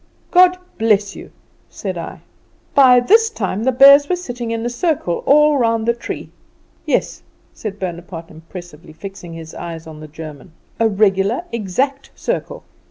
"'God bless you,' said I. "By this time the bears were sitting in a circle all around the tree. Yes," said Bonaparte impressively, fixing his eyes on the German, "a regular, exact, circle.